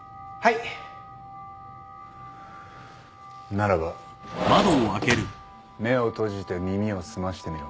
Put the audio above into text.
ならば目を閉じて耳を澄ましてみろ。